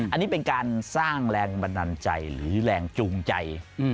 อันนี้เป็นการสร้างแรงบันดาลใจหรือแรงจูงใจ